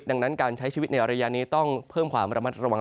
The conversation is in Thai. ดังนั้นการใช้ชีวิตในระยะนี้ต้องเพิ่มความระมัดระวัง